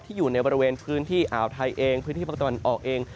อยู่ในบริเวณพื้นที่อ่าวไทยเองพื้นที่ภาคตะวันออกเอง